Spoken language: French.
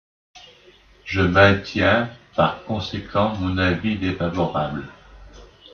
Je maintiens par conséquent mon avis défavorable.